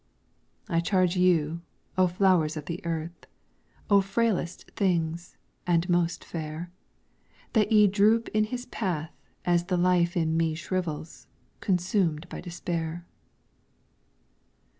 I charge you, O flowers of the Earth, O frailest of things, and most fair, That ye droop in his path as the life in me shrivels, consumed by despair.